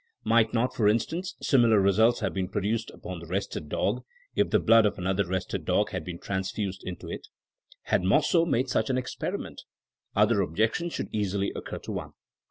Might not, for instance, similar results have been pro duced upon the rested dog if blood of another rested dog had been transfused into it! Had Mosso made such an experiment? Other objec tions should easily occur to one.